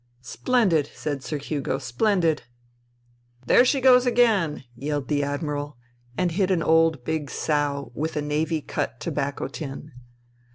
" Splendid !" said Sir Hugo. " Splendid !"" There she goes again !" yelled the Admiral, and hit an old big sow with a Navy Cut tobacco tin.